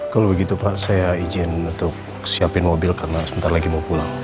kalau begitu pak saya izin untuk siapin mobil karena sebentar lagi mau pulang